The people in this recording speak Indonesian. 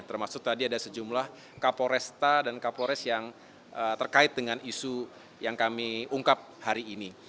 termasuk tadi ada sejumlah kapolresta dan kapolres yang terkait dengan isu yang kami ungkap hari ini